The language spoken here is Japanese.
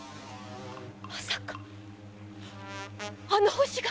まさかあの星が？